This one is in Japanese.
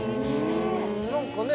何かね